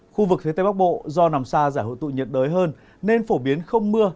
khu vực phía tây bắc bộ do nằm xa giải hội tụ nhiệt đới hơn nên phổ biến không mưa